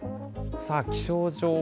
さあ、気象情報。